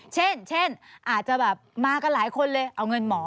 เช่นอาจจะแบบมากันหลายคนเลยเอาเงินหมอ